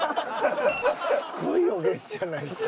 すごい予言じゃないですか。